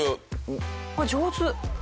あっ上手。